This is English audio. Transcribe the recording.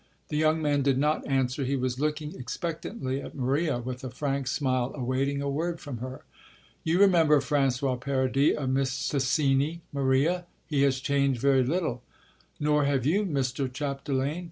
The young man did not answer; he was looking expectantly at Maria with a frank smile, awaiting a word from her. "You remember François Paradis of Mistassini, Maria? He has changed very little." "Nor have you, Mr. Chapdelaine.